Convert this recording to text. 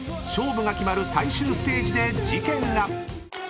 ［勝負が決まる最終ステージで事件が！］